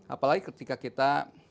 apalagi ketika kita